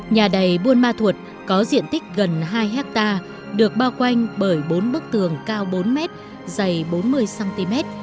nhà đầy buôn ma thuột có diện tích gần hai hectare được bao quanh bởi bốn bức tường cao bốn m dày bốn mươi cm